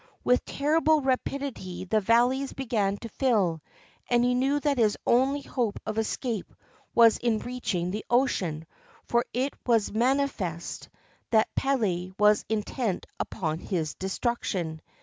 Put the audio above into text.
With terrible rapidity the valleys began to fill, and he knew that his only hope of escape was in reaching the ocean, for it was manifest 524 THE VENGEANCE OF THE GODDESS PELE that Pele was intent upon his destruction.